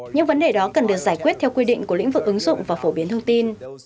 những vấn đề đó cần được giải quyết theo quy định của lĩnh vực ứng dụng và phổ biến thông tin